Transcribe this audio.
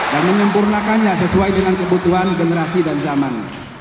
dan menyempurnakannya sesuai dengan kebutuhan generasi dan zaman